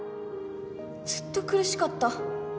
ずっと苦しかった。